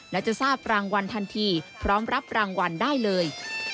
และจะทราบรางวัลทันทีพร้อมรับรางวัลได้เลย